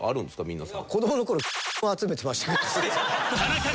皆さん。